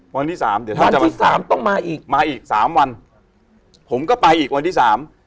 วันที่สามเดี๋ยวครับวันที่สามต้องมาอีกมาอีกสามวันผมก็ไปอีกวันที่สาม